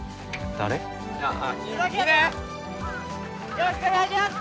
よろしくお願いしゃす！